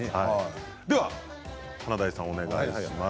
華大さんお願いします。